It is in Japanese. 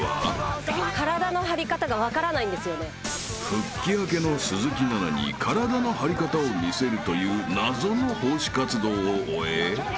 ［復帰明けの鈴木奈々に体の張り方を見せるという謎の奉仕活動を終え］